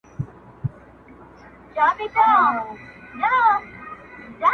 قلم د زلفو يې د هر چا زنده گي ورانوي,